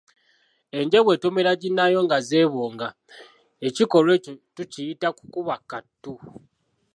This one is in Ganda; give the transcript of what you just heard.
Enje bw’etomera ginnaayo nga zeebonga, ekikolwa ekyo tukiyita kukuba kattu.